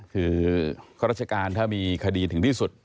คือข้าราชการถ้ามีคดีถึงที่สุด